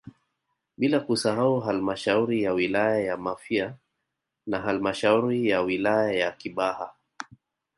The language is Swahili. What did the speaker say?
Bila kusahau halmashauri ya wilaya ya Mafia na halmashauri ya wilaya ya Kibaha